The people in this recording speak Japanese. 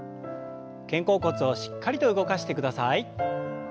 肩甲骨をしっかりと動かしてください。